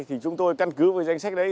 thì chúng tôi căn cứ với danh sách đấy